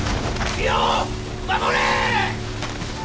身を守れ！